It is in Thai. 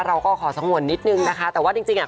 เราก็ขอสงวนนิดนึงนะคะแต่ว่าจริงจริงอ่ะ